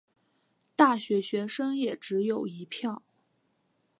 大学学生也只有一票